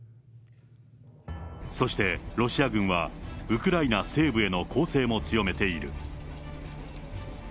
そしてロシア軍は、ウクライナ西部への攻勢も強めている。